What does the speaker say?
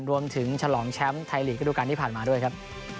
รวมถึงฉลองแชมป์ไทยลีกก็ดูกันที่ผ่านมาด้วยครับ